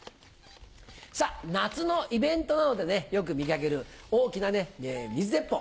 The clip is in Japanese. さぁ夏のイベントなどでねよく見かける大きなね水鉄砲